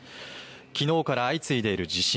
きのうから相次いでいる地震。